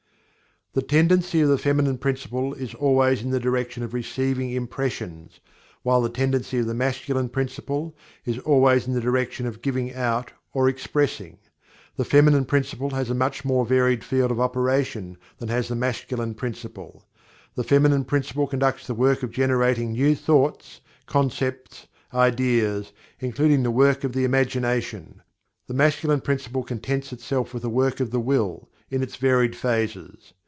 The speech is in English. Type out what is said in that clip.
The tendency of the Feminine Principle is always in the direction of receiving impressions, while the tendency of the Masculine Principle is always in the direction of giving, out or expressing. The Feminine Principle has much more varied field of operation than has the Masculine Principle. The Feminine Principle conducts the work of generating new thoughts, concepts, ideas, including the work of the imagination. The Masculine Principle contents itself with the work of the "Will" in its varied phases.